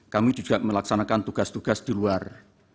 kami juga melaksanakan tugas tugas di luar